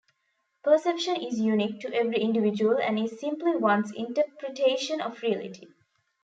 Perception is unique to every individual and is simply one's interpretation of reality.